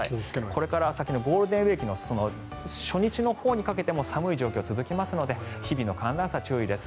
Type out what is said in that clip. これから先のゴールデンウィークの初日のほうにかけても寒い状況が続きますので日々の寒暖差、注意です。